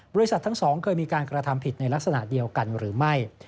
ทั้งสองเคยมีการกระทำผิดในลักษณะเดียวกันหรือไม่